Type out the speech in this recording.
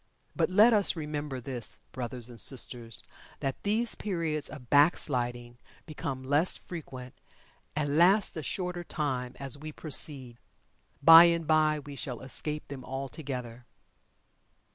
But, let us remember this, brothers and sisters, that these periods of "back sliding" become less frequent, and last a shorter time, as we proceed. Bye and bye we shall escape them altogether.